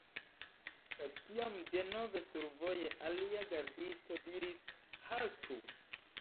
Kaj tiam denove, survoje alia gardisto diris: "Haltu